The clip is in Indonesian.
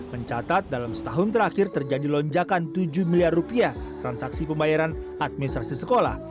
mencatat dalam setahun terakhir terjadi lonjakan tujuh miliar rupiah transaksi pembayaran administrasi sekolah